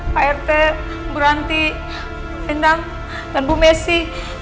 pak rt bu ranti bintang dan bu messi